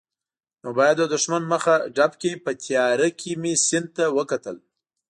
نو باید د دښمن مخه ډب کړي، په تیارې کې مې سیند ته وکتل.